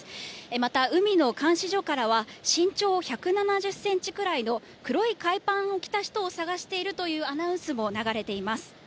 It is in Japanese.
また、海の監視所からは、身長１７０センチくらいの黒い海パンを着た人を探しているというアナウンスも流れています。